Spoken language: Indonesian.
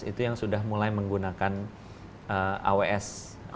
itu yang sudah mulai menggunakan aws